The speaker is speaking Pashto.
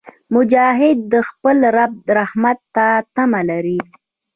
مجاهد د خپل رب رحمت ته تمه لري.